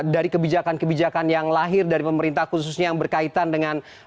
dari kebijakan kebijakan yang lahir dari pemerintah khususnya yang berkaitan dengan